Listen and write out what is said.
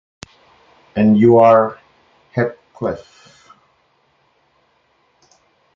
And you are Heathcliff!